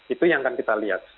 itu yang akan kita lihat